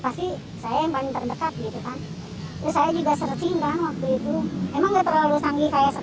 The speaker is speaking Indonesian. pas ditumpuli kena ada dokter sama keluarga ada kakak disitu